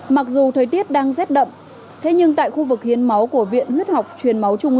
mặc dù thời tiết đang rét đậm thế nhưng tại khu vực hiến máu của viện huyết học truyền máu trung ương